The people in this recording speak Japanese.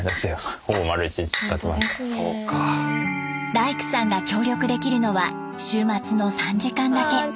大工さんが協力できるのは週末の３時間だけ。